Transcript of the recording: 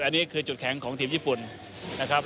อันนี้คือจุดแข็งของทีมญี่ปุ่นนะครับ